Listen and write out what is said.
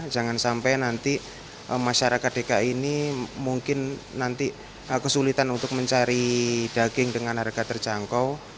jangan sampai nanti masyarakat dki ini mungkin nanti kesulitan untuk mencari daging dengan harga terjangkau